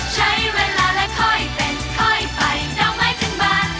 ใช้เวลาและค่อยเป็นค่อยไปดอกไม้ถึงบ้าน